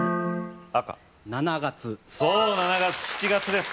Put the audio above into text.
赤７月そう７月７月です